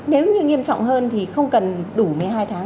nếu như nghiêm trọng hơn thì không cần đủ một mươi hai tháng